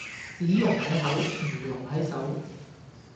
只溶喺口唔溶喺手